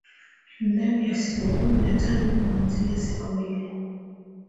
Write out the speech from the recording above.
ndani ya siku kumi na tano kuaanzia siku ile